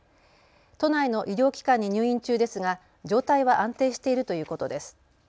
都内の医療機関に入院中ですが状態は安定しているということです。